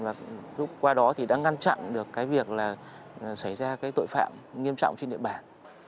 và lúc qua đó thì đã ngăn chặn được cái việc là xảy ra cái tội phạm nghiêm trọng trên địa bàn